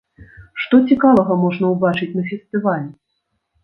Што цікавага можна ўбачыць на фестывалі?